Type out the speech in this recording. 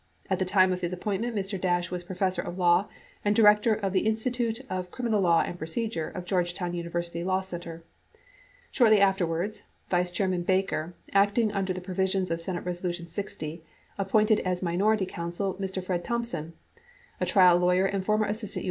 At the time of his appointment, Mr. Dash was professor of law and director of the Insti tute of Criminal Law and Procedure of Georgetown University Law Center. Shortly afterwards, Vice Chairman Baker, acting under the provisions of S. Res. 60, appointed as minority counsel Mr. Fred Thompson, a trial lawyer and former assistant U.